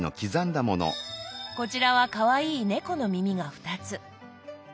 こちらはかわいい猫の耳が２つ。